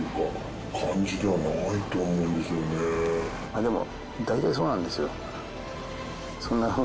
あっでも。